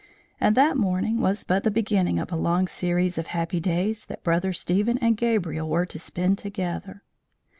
And that morning was but the beginning of a long series of happy days that Brother Stephen and Gabriel were to spend together.